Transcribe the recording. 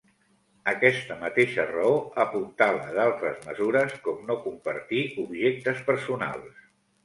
Aquesta mateixa raó apuntala d’altres mesures com no compartir objectes personals.